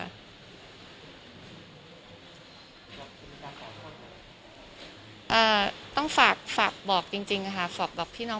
เราขอโทษไหมต้องฝากฝากบอกจริงจริงค่ะฝากบอกพี่น้อง